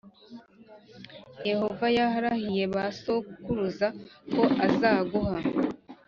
yehova yarahiye ba sokuruza ko azaguha